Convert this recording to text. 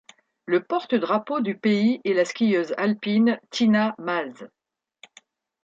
Le porte-drapeau du pays est la skieuse alpine Tina Maze.